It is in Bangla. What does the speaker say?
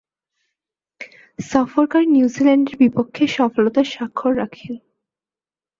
সফরকারী নিউজিল্যান্ডের বিপক্ষে সফলতার স্বাক্ষর রাখেন।